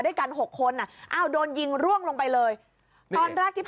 อุ๊บอิ๊บ